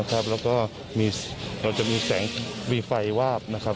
แล้วก็จะมีแสงมีไฟวาบ